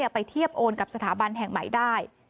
ไปเทียบโอนกับสถาบันแห่งใหม่ได้